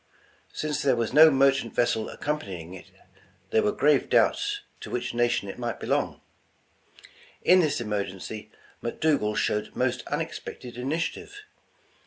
Since there was no merchant vessel ac companying it, there were grave doubts to which na tion it might belong. In this emergency, McDougal showed most unexpected initiative.